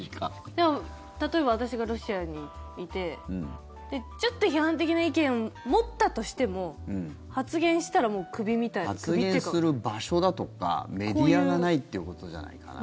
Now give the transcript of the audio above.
でも、例えば私がロシアにいてちょっと批判的な意見を持ったとしても発言する場所だとかメディアがないっていうことじゃないかな。